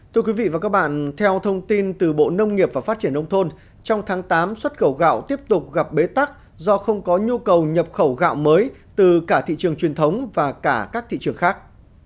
thưa quý vị và các bạn theo thông tin từ bộ nông nghiệp và phát triển nông thôn trong tháng tám xuất khẩu gạo tiếp tục gặp bế tắc do không có nhu cầu nhập khẩu gạo mới từ cả thị trường truyền thống và cả các thị trường khác